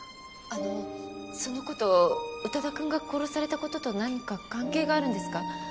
あのその事宇多田くんが殺された事と何か関係があるんですか？